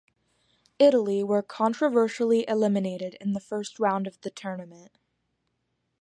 Italy were controversially eliminated in the first round of the tournament.